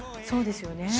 そうですよね。